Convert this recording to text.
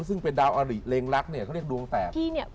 ซึ่งเป็นดาวอาริแหลงละกเขาเรียกที่ดวงแตบ